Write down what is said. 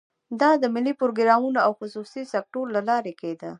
دا د ملي پروګرامونو او خصوصي سکتور له لارې کېده.